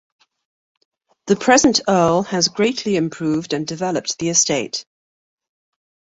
The present Earl has greatly improved and developed the estate.